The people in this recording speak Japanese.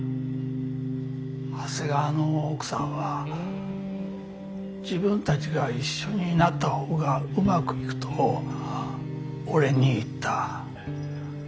長谷川の奥さんは自分たちが一緒になったほうがうまくいくと俺に言った。